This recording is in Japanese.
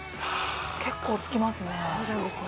結構つきますね。